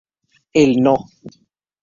El No.